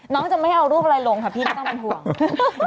น้องจะไม่เอารูปอะไรลงค่ะพี่ไม่ต้องเป็นห่วง